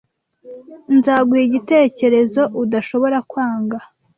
Nzaguha igitekerezo udashobora kwanga.